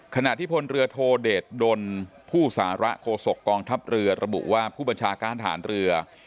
ขณะที่พลเรือโทเดชดลผู้สาระโคศกกองทัพเรือระบุว่าผู้บัญชาการฐานเรือ